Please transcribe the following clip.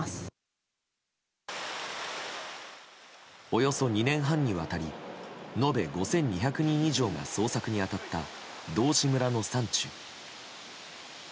およそ２年半にわたり延べ５２００人以上が捜索に当たった道志村の山中。